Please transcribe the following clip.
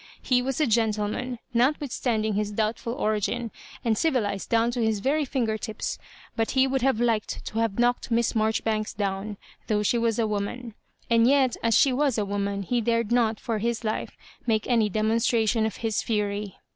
He was a gentleman, not withstanding his doubtful, origin, and civilised down to his very finger tips ; but he would have iked to have knocked Miss Marjoribanks down, though she was a woman. And yet, as she was a woman, he dared not for his life make any de monstration of his fury.